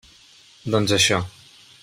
Doncs això.